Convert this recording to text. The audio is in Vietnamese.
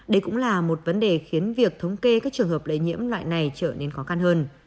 đây cũng là một vấn đề khiến việc thống kê các trường hợp lây nhiễm loại này trở nên khó khăn hơn